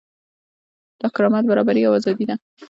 دا کرامت، برابري او ازادي ده.